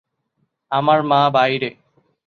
আমার মা বাইরে।